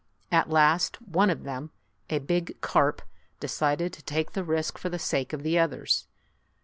At last, one of them, a big carp, decided to take the risk for the sake of the others.